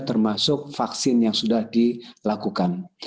termasuk vaksin yang sudah dilakukan